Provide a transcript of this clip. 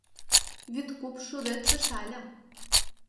Вӱд-куп шудет шочале.